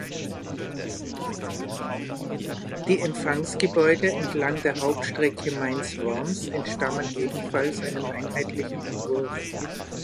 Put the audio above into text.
Die Empfangsgebäude entlang der Hauptstrecke Mainz–Worms entstammen ebenfalls einem einheitlichen Entwurf.